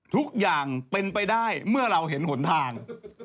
ทุกอย่างเป็นไปได้เมื่อเราเห็นหนทาง